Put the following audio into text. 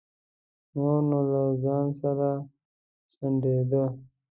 نور نو له ځانه سره سڼېده.